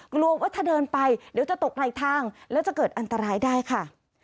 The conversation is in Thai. กลัวว่าถ้าเดินไปเดี๋ยวจะตกไหลทางแล้วจะเกิดอันตรายได้ค่ะ